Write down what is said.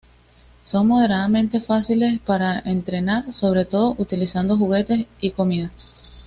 Son moderadamente fáciles para entrenar sobre todo utilizando juguetes y comida.